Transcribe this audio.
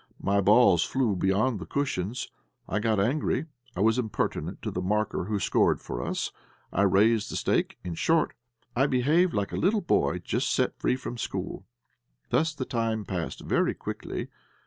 My balls flew beyond the cushions. I got angry; I was impertinent to the marker who scored for us. I raised the stake; in short, I behaved like a little boy just set free from school. Thus the time passed very quickly.